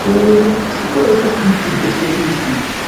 Ĉio estas pli impresionisma.